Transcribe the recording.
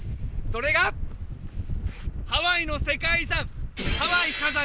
それがハワイの世界遺産ハワイ火山